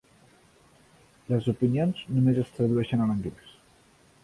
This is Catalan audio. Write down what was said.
Les opinions només es tradueixen a l'anglès.